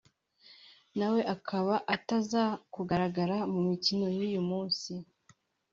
na we akaba ataza kugaragara mu mukino w’uyu munsi